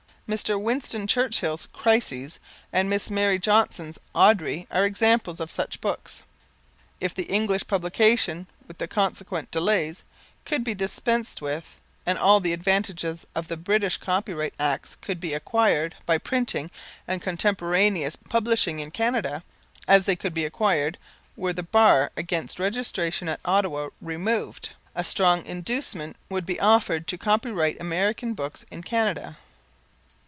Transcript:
Mr. Winston Churchill's "Crisis," and Miss Mary Johnston's "Audrey," are examples of such books. If the English publication, with consequent delays, could be dispensed with and all the advantages of the British Copyright Acts could be acquired by printing and contemporaneous publishing in Canada, as they could be acquired were the bar against registration at Ottawa removed, a strong inducement would be offered to copyright American books in Canada.